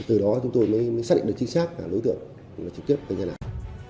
từ đó chúng tôi mới xác định được trí xác và lối tượng trực tiếp gây tai nạn